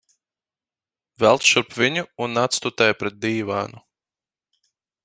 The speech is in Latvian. Velc šurp viņu un atstutē pret dīvānu.